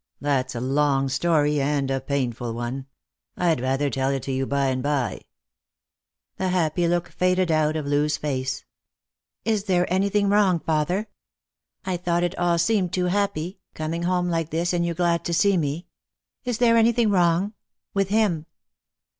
That's a long story, and a painful one. I'd rather tell it you by and by." The happy look faded out of Loo's face. " Is there anything wrong, father? " I thought it all seemed too happy, coming home like this and you so glad to see me ! Is there anything wrong — with him